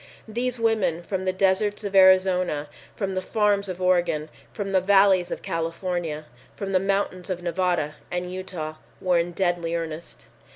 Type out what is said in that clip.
These women from the deserts of Arizona, from the farms of Oregon, from the valleys of California, from the mountains of Nevada and Utah, were in deadly earnest.